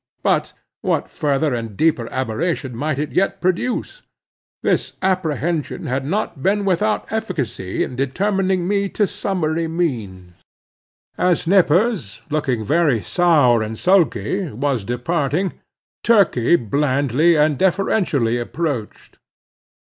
And what further and deeper aberration might it not yet produce? This apprehension had not been without efficacy in determining me to summary means. As Nippers, looking very sour and sulky, was departing, Turkey blandly and deferentially approached.